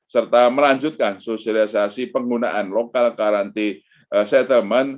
serta melanjutkan sosialisasi penggunaan lokal karanti settlement